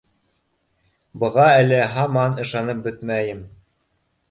Быға әле һаман ышанып бөтмәйем.